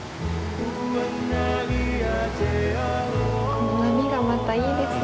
この波がまたいいですね。